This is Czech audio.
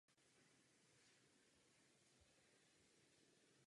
Kvalita vody má určitou důležitou roli většinou jen při rozmnožování.